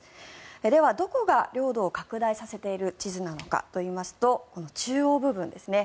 では、どこが領土を拡大させている地図なのかといいますとこの中央部分ですね。